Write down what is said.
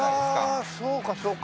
ははあそうかそうか。